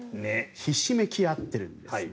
ひしめき合っているんですね。